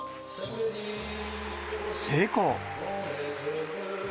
成功。